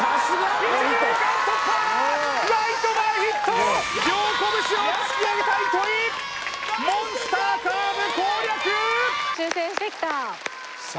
１塁間突破ライト前ヒット両拳を突き上げた糸井モンスターカーブ